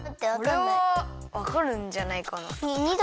これはわかるんじゃないかな。